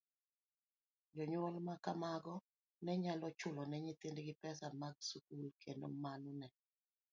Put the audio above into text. Jonyuol ma kamago ne nyalo chulo ne nyithindgi pesa mag skul, kendo mano ne